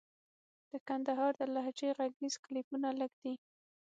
د کندهار د لهجې ږغيز کليپونه لږ دي.